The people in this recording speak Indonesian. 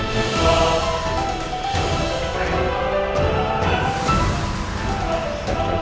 saya cari cara keluar disini